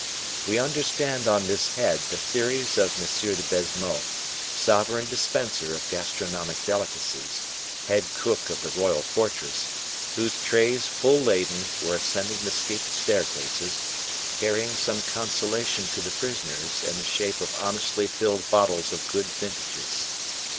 We understand on this head the theories of M. de Baisemeaux, sovereign dispenser of gastronomic delicacies, head cook of the royal fortress, whose trays, full laden, were ascending the steep staircases, carrying some consolation to the prisoners in the shape of honestly filled bottles of good vintages.